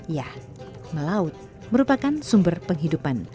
ya melaut merupakan sumber penghidupan